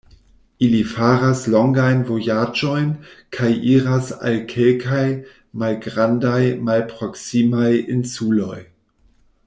Ili faras longajn vojaĝojn kaj iras al kelkaj malgrandaj, malproksimaj insuloj.